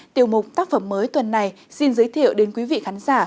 tiểu mục tác phẩm mới tuần này xin giới thiệu đến quý vị khán giả